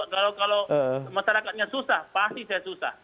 kalau masyarakatnya susah pasti saya susah